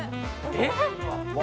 えっ？